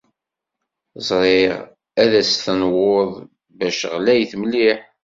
Ẓriɣ ad as-tenwuḍ bac ɣlayet mliḥ.